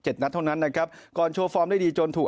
นัดเท่านั้นนะครับก่อนโชว์ฟอร์มได้ดีจนถูก